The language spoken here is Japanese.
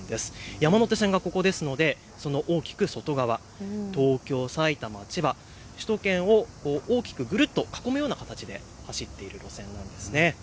山手線がここですのでその大きく外側、東京、埼玉、千葉、首都圏を大きくぐるっと囲むような形で走っている路線なんです。